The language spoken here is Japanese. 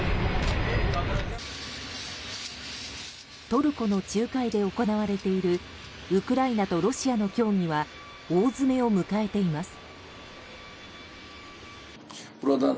トルコの仲介で行われているウクライナとロシアの協議は大詰めを迎えています。